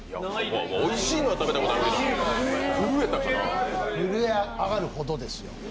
おいしいのは食べたことはあるけど震えたかな震え上がるほどです。